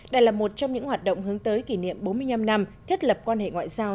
đây là một trong những hoạt động hướng tới kỷ niệm bốn mươi năm năm thiết lập quan hệ ngoại giao